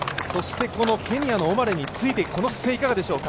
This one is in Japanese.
ケニアのオマレについていくこの姿勢、いかがでしょうか。